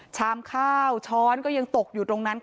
ชามข้าวช้อนก็ยังตกอยู่ตรงนั้น